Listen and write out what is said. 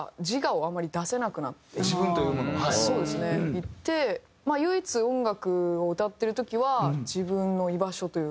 いって唯一音楽を歌ってる時は自分の居場所というか。